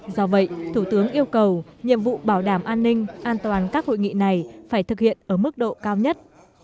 do vậy thủ tướng yêu cầu nhiệm vụ bảo đảm an ninh an toàn các hội nghị này phải thực hiện ở mức độ cao nhất